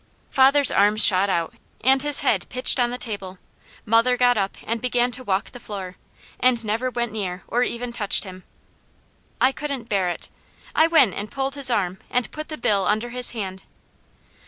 Father's arms shot out, and his head pitched on the table. Mother got up and began to walk the floor, and never went near or even touched him. I couldn't bear it. I went and pulled his arm and put the bill under his hand.